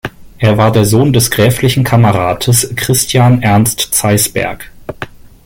Er war der Sohn des gräflichen Kammerrates Christian Ernst Zeisberg.